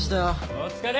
お疲れ！